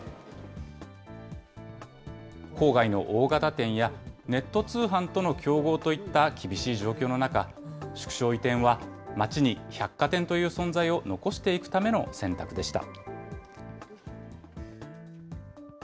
郊外の大型店や、ネット通販との競合といった厳しい状況の中、縮小移転は、町に百貨店という存在を残していくための選択でした。